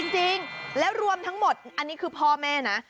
จริงแล้วรวมทั้งหมดอันนี้คือพ่อแม่นะ